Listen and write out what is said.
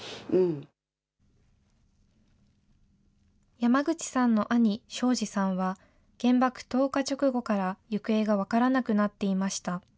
山口さんの兄、昭治さんは、原爆投下直後から行方が分からなくなっていました。